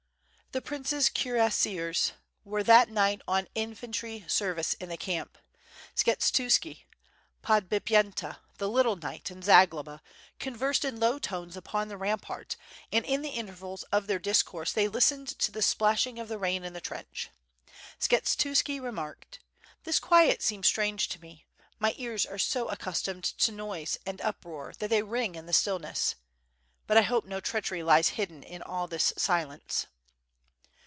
The prince's cuirrassiers were that night on infantry ser vice in the camp. Skshetuski, Podbipyenta, the little knight, and Zagloba, conversed in low tones upon the rampart, and in the intervals of their discourse they listened to the splash ing of the rain in the trench. Skshetuski remarked: "This quiet seems strange to me, my ears are so accus tomed to noise and uproar that they ring in the stillness. But I hope no treachery lies hidden in this silence.